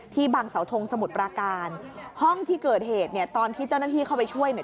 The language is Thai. บางเสาทงสมุทรปราการห้องที่เกิดเหตุเนี่ยตอนที่เจ้าหน้าที่เข้าไปช่วยเนี่ย